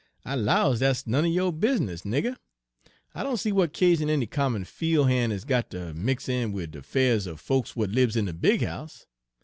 " 'I 'lows dat's none er yo' bizness, nigger. I doan see w'at'casion any common fiel' han' has got ter mix in wid de 'fairs er folks w'at libs in de big house.